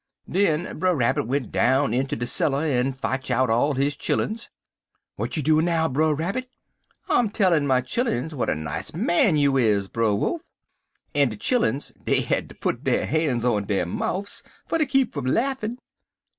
"Den Brer Rabbit went down inter de cellar en fotch out all his chilluns. "'W'at you doin' now, Brer Rabbit?' "'I'm a tellin' my chilluns w'at a nice man you is, Brer Wolf.' "En de chilluns, dey had ter put der han's on der moufs fer ter keep fum laffin'.